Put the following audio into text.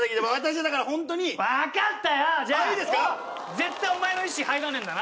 絶対お前の意思入らねえんだな？